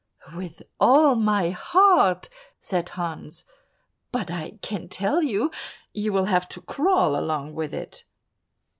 "With all my heart," said Hans, "but I can tell you, you will have to crawl along with it."